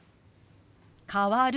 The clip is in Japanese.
「変わる」。